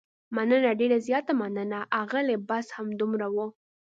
مننه، ډېره زیاته مننه، اغلې، بس همدومره و.